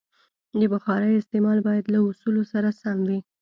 د بخارۍ استعمال باید له اصولو سره سم وي.